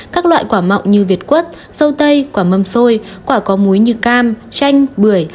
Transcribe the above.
các loại quả mọng như việt quất sâu tây quả mâm xôi quả có muối như cam chanh bưởi